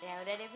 ya udah deh be